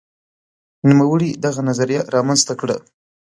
نوموړي دغه نظریه رامنځته کړه.